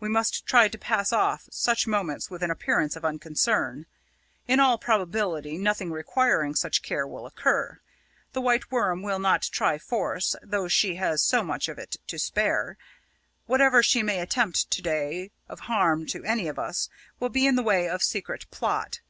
We must try to pass off such moments with an appearance of unconcern. In all probability, nothing requiring such care will occur. The White Worm will not try force, though she has so much of it to spare. Whatever she may attempt to day, of harm to any of us, will be in the way of secret plot.